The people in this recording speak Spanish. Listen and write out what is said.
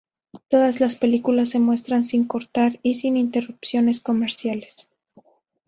Todas las películas se muestran sin cortar y sin interrupciones comerciales.